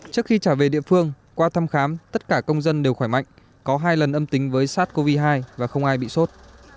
trước khi trả về địa phương qua thăm khám tất cả công dân đều khỏe mạnh có hai lần âm tính với sars cov hai và không ai bị sốt